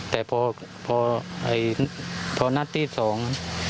แต่พอพอนัดที่สอง